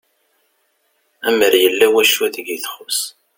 Amer yella wacu deg i txuss